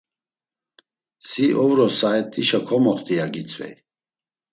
Si ovro saet̆işa komoxt̆i, ya gitzvey.